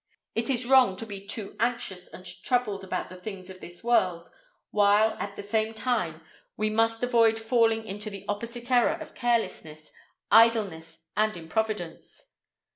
It is wrong to be too anxious and troubled about the things of this world, while, at the same time, we must avoid falling into the opposite error of carelessness, idleness, and improvidence."